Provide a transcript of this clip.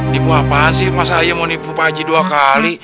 nipu apaan sih mas ayah mau nipu pagi dua kali